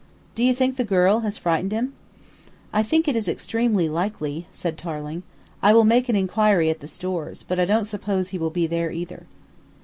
"Do you think the girl has frightened him?" "I think it is extremely likely," said Tarling. "I will make an inquiry at the Stores, but I don't suppose he will be there either."